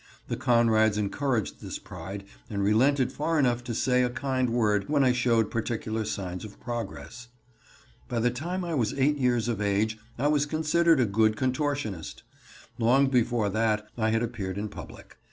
The Conrads encouraged this pride and relented far enough to say a kind word when I showed particular signs of progress. By the time I was eight years of age I was considered a good contortionist. Long before that time I had appeared in public.